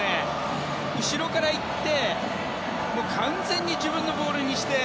後ろから行って完全に自分のボールにして。